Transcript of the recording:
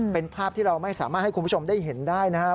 เป็นภาพที่เราไม่สามารถให้คุณผู้ชมได้เห็นได้นะครับ